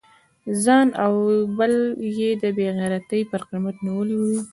ځان او بل یې د بې غیرتی پر قیمت نیولی دی.